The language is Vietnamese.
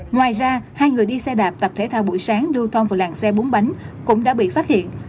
ngoài ra hai người đi xe đạp tập thể thao buổi sáng lưu thông vào làng xe bốn bánh cũng đã bị phát hiện